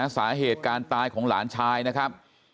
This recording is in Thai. สาเหตุการตายของหลานชายนะครับ